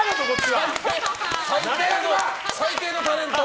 最低のタレント！